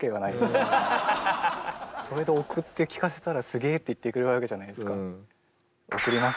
それで送って聴かせたらすげえって言ってくれるわけじゃないですか。